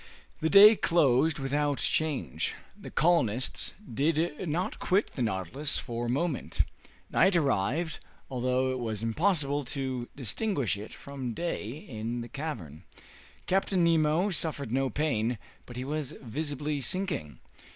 The day closed without change. The colonists did not quit the "Nautilus" for a moment. Night arrived, although it was impossible to distinguish it from day in the cavern. Captain Nemo suffered no pain, but he was visibly sinking.